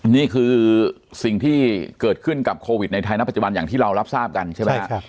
นี่คือสิ่งที่เกิดขึ้นกับโควิดในไทยณปัจจุบันอย่างที่เรารับทราบกันใช่ไหมครับ